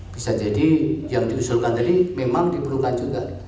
bisa jadi yang diusulkan tadi memang diperlukan juga